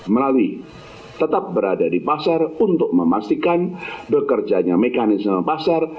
melalui tetap berada di pasar untuk memastikan bekerjanya mekanisme pasar